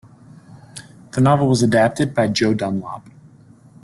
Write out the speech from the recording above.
The novel was adapted by Joe Dunlop.